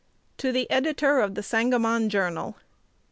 To the Editor op "The Sangamon Journal."